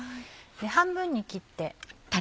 半分に切って。